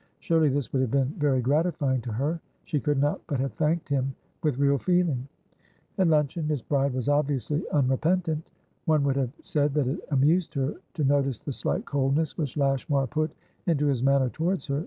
Surely this would have been very gratifying to her; she could not but have thanked him with real feeling. At luncheon, Miss Bride was obviously unrepentant. One would have said that it amused her to notice the slight coldness which Lashmar put into his manner towards her.